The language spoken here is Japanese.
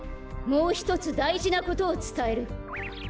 もうひとつだいじなことをつたえる。